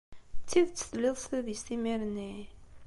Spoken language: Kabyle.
D tidet telliḍ s tadist imir-nni?